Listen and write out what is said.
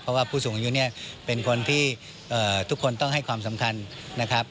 เพราะว่าผู้สูงอายุเนี่ยเป็นคนที่ทุกคนต้องให้ความสำคัญนะครับ